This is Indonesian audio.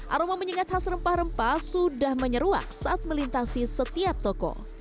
aroma menyingat khas rempah rempah sudah menyeruak saat melintasi setiap toko